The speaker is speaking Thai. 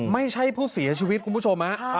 ไม่ใช่ผู้เสียชีวิตคุณผู้ชม